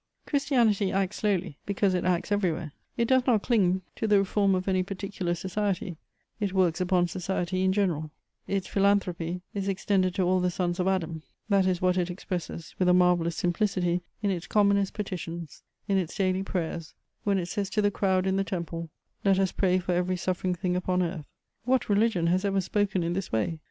Christianity acts slowly, because it acts everywhere; it does not cling to the reform of any particular society, it works upon society in general; its philanthropy is extended to all the sons of Adam: that is what it expresses with a marvellous simplicity in its commonest petitions, in its daily prayers, when it says to the crowd in the temple: "Let us pray for every suffering thing upon earth." What religion has ever spoken in this way?